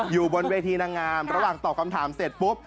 อยู่บนเวทีนางงามระหว่างตอบคำถามเสร็จปุ๊บ